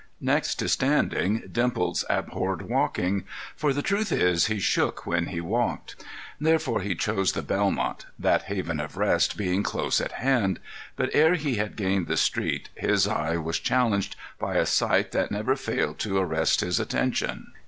Next to standing, Dimples abhorred walking, for the truth is he shook when he walked. Therefore he chose the Belmont, that haven of rest being close at hand; but ere he had gained the street his eye was challenged by a sight that never failed to arrest his attention.